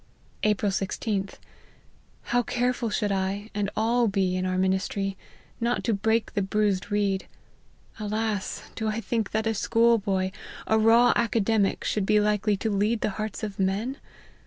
" April IG'A. How careful should I, and all be, in our ministry, not to break the bruised reed ! Alas ! do 1 think that a schoolboy, a raw academic, should be likely to lead the hearts of men